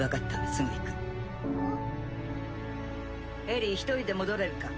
エリィ一人で戻れるか？